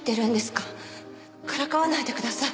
からかわないでください。